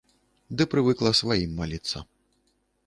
Ды прывыкла сваім маліцца.